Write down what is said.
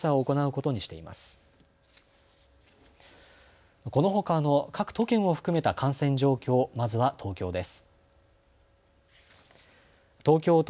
このほかの各都県を含めた感染状況、まずは東京です。